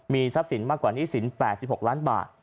ทรัพย์สินมากกว่าหนี้สิน๘๖ล้านบาท